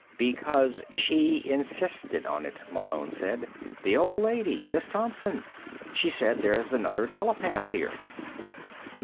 "Because she insisted on it," Malone said. "The old lady. Miss Thompson. She says there's another telepath here."